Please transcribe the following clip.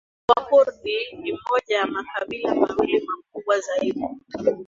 Wakurdi ni moja ya makabila mawili makubwa zaidi